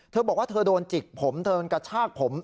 เธอบอกว่าเธอโดนจิกผมเธอกระชากผม